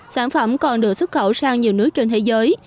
sản phẩm còn được xuất khẩu sang nhiều nước trên thế giới